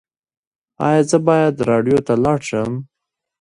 ایا زه باید راډیو ته لاړ شم؟